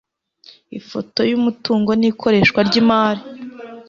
ifoto y'umutungo n'ikoreshwa ry'imari